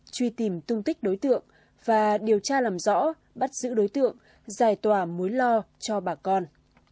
truy tìm tung tích đối tượng và điều tra làm rõ bắt giữ đối tượng giải tỏa mối lo cho bà con